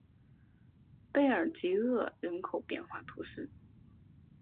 贝尔济厄人口变化图示